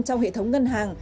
trong hệ thống ngân hàng